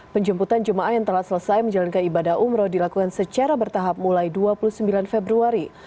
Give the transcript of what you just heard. penjemputan jemaah yang telah selesai menjalankan ibadah umroh dilakukan secara bertahap mulai dua puluh sembilan februari